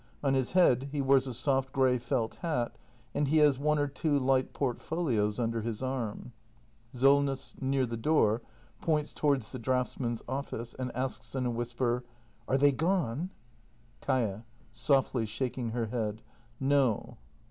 On his head he wears a soft grey felt hat, and he has one or two light portfolios under his arm. Solness. [Near the door, points towards the draughtsmen's office, and asks in a whisper:] Are they gone ? Kaia. [Softly, shaking her head.] No.